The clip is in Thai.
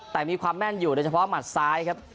แต่มีความแม่นอยู่โดยเฉพาะหมัดซ้ายครับ